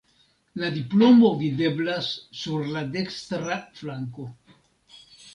La diplomo videblas sur la dekstra flanko.